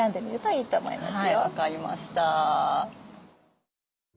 はい分かりました。